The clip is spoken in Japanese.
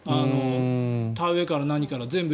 田植えから何から全部。